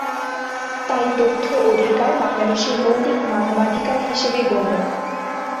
তাই তথ্য অধিকার বাংলাদেশে মৌলিক মানবাধিকার হিসেবে গণ্য।